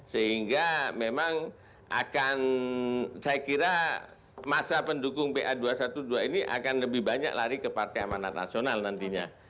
sehingga memang akan saya kira masa pendukung pa dua ratus dua belas ini akan lebih banyak lari ke partai amanat nasional nantinya